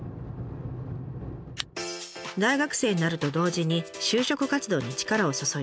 大学生になると同時に就職活動に力を注いだ千賀さん。